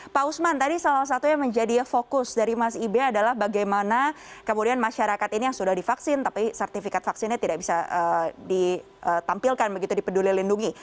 pak usman tadi salah satu yang menjadi fokus dari mas ibe adalah bagaimana kemudian masyarakat ini yang sudah divaksin tapi sertifikat vaksinnya tidak bisa ditampilkan begitu di peduli lindungi